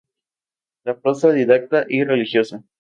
La prosa didáctica y religiosa.